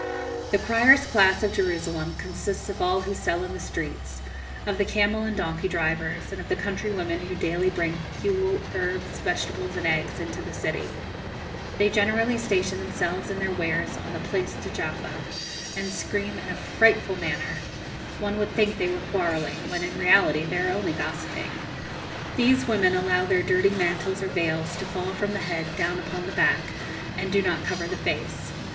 "The criers' class of Jerusalem consists of all who sell in the streets, of the camel and donkey drivers, and of the country women who daily bring fuel, herbs, vegetables, and eggs, into the city. They generally station themselves and their wares on the Place de Jaffa, and scream in a frightful manner; one would think they were quarrelling, when, in reality, they are only gossiping. These women allow their dirty mantles or veils to fall from the head down upon the back, and do not cover the face.